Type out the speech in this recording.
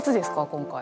今回。